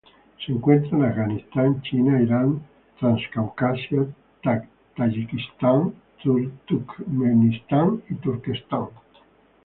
Se encuentra en Afganistán, China, Irán, Transcaucasia, Tayikistán, Turkmenistán y Turquestán.